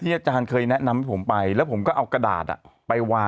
อาจารย์เคยแนะนำให้ผมไปแล้วผมก็เอากระดาษไปวาง